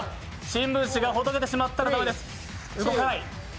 新聞紙がほどけてしまったら駄目です。